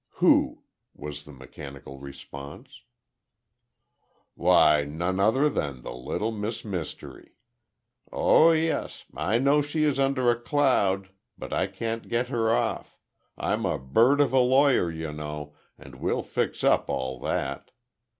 "Who?" was the mechanical response. "Why, none other than the little Miss Mystery. Oh, yes, I know she is under a cloud—but I can get her off—I'm a bird of a lawyer, you know—and we'll fix up all that.